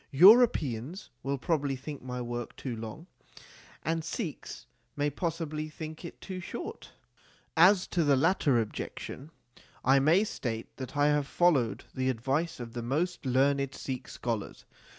Europeans will probably think my work too long, and Sikhs may possibly think it too short. As to the latter objec xviii THE SIKH RELIGION tion, I may state that I have followed the advice of the most learned Sikh scholars.